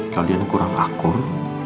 kalian kurang akur